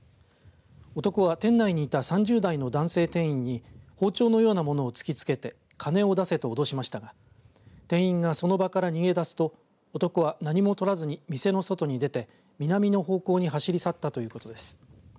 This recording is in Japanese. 男は店内にいた３０代の男性店員に包丁のようなものを突きつけて金を出せとおどしましたが店員がその場から逃げ出すと男は何も取らずに店の外に出て南の方向に走り去ったということです。